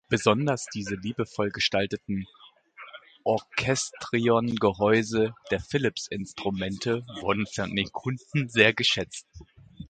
Besonders diese liebevoll gestalteten Orchestrion-Gehäuse der Philipps-Instrumente wurden von den Kunden sehr geschätzt.